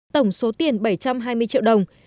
tổng số tiền bảy trăm hai mươi triệu đồng